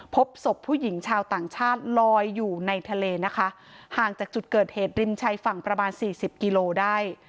พบศพผู้หญิงชาวต่างชาติลอยอยู่ในทะเลนะคะห่างจากจุดเกิดเหตุริมชายฝั่งประมาณสี่สิบกิโลได้